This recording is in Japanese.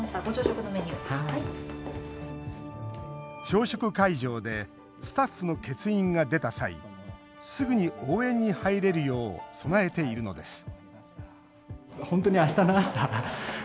朝食会場でスタッフの欠員が出た際すぐに応援に入れるよう備えているのです